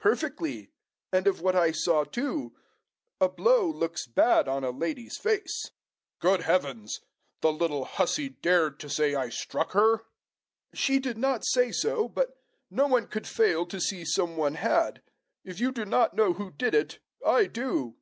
"Perfectly; and of what I saw too. A blow looks bad on a lady's face." "Good heavens! the little hussey dared to say I struck her?" "She did not say so; but no one could fail to see some one had. If you do not know who did it, I do."